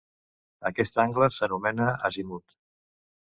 Aquest angle s'anomena azimut.